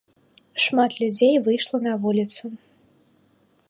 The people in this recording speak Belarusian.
Шмат людзей выйшла на вуліцу.